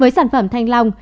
với sản phẩm thanh long